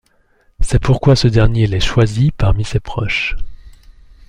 C'est pourquoi ce dernier les choisit parmi ses proches.